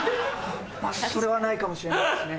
それはないかもしれないですね。